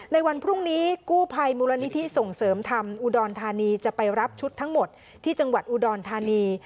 ในวันพรุ่งนี้กู้ภัยมูลนิธิส่งเสริมธรรมอุดรธานีจะไปรับชุดทั้งหมดที่จังหวัดอุดรธานี